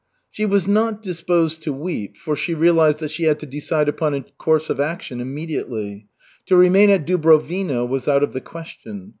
She was not disposed to weep, for she realized that she had to decide upon a course of action immediately. To remain at Dubrovino was out of the question.